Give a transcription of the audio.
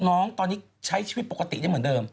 น้องตอนนี้ใช้ชีวิตปกติได้เหมือนเดิม